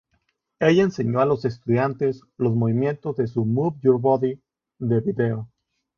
Ella enseñó a los estudiantes los movimientos de su "Move Your Body" de vídeo.